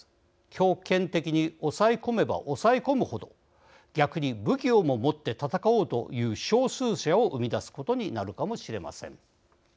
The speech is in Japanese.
強権的に抑え込めば抑え込む程逆に武器をも持って戦おうという少数者を生み出すことになるかもしれません。